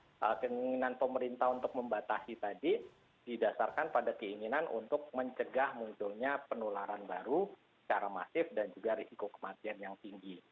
jadi kita harus dipahami bahwa keinginan pemerintah untuk membatasi tadi didasarkan pada keinginan untuk mencegah munculnya penularan baru secara masif dan juga risiko kematian yang tinggi